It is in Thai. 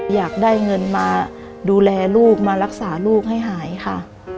อยากได้เงินมาดูแลลูกมารักษาลูกให้หายค่ะ